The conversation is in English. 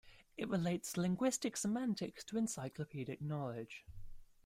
It relates linguistic semantics to encyclopedic knowledge.